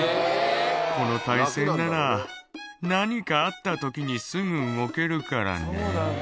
「この体勢なら何かあった時にすぐ動けるからね」